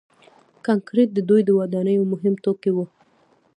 کانکریټ د دوی د ودانیو مهم توکي وو.